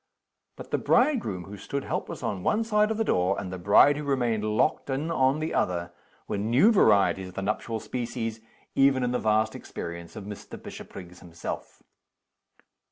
_ But the bridegroom who stood helpless on one side of the door, and the bride who remained locked in on the other, were new varieties of the nuptial species, even in the vast experience of Mr. Bishopriggs himself.